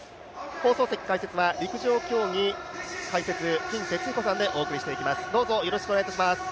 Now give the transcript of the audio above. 放送席、解説は陸上競技解説、金哲彦さんでお送りしていきます。